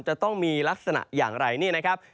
จะต้องมีลักษณะอย่างไรนี่นะครับ